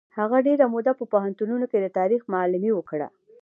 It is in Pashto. هغه ډېره موده په پوهنتونونو کې د تاریخ معلمي وکړه.